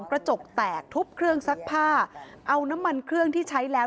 กระจกแตกทุบเครื่องซักผ้าเอาน้ำมันเครื่องที่ใช้แล้ว